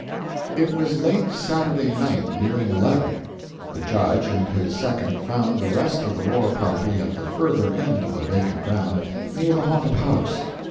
It was late Saturday night nearing eleven. The judge and his second found the rest of the war party at the further end of the vacant ground, near the haunted house.